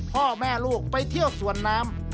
พ่อแม่ลูกไปเที่ยวสวนน้ำ